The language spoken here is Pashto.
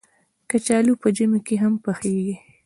کچالو په ژمي کې هم پخېږي